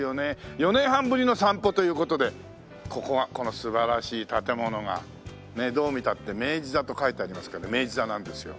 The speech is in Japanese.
４年半ぶりの散歩という事でここがこの素晴らしい建物がどう見たって明治座と書いてありますけど明治座なんですよ。